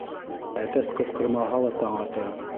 Әтәс ҡысҡырмаһа ла таң ата.